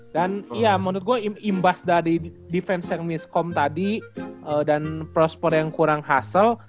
dan ya menurut gue imbas dari defense yang misscom tadi dan prosper yang kurang hustle